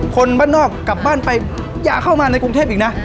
คนบ้านนอกกลับบ้านไปอย่าเข้ามาในกรุงเทพอีกนะ